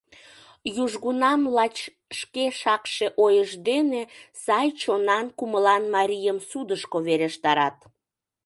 Южгунам лач шке шакше ойышт дене сай чонан, кумылан марийым судышко верештарат.